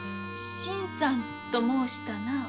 「新さん」と申したな？